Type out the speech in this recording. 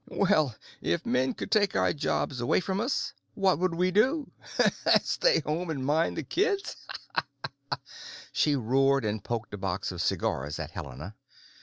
"Well, if men could take our jobs away from us, what would we do? Stay home and mind the kids?" She roared and poked a box of cigars at Helena.